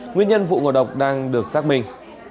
nguyên nhân vụ ngộ độc đang được xác minh